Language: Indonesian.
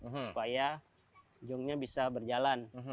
supaya jongnya bisa berjalan